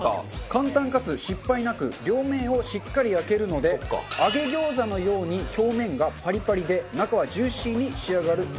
簡単かつ失敗なく両面をしっかり焼けるので揚げ餃子のように表面がパリパリで中はジューシーに仕上がるとの事です。